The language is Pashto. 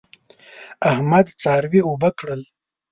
احمد څاروي اوبه کړل.